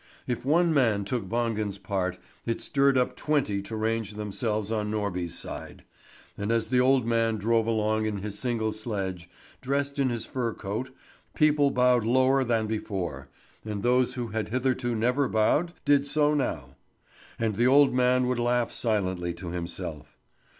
If one man took Wangen's part, it stirred up twenty to range themselves on Norby's side; and as the old man drove along in his single sledge, dressed in his fur coat, people bowed lower than before, and those who had hitherto never bowed did so now. And the old man would laugh silently to himself.